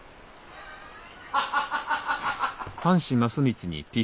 ハハハハハ。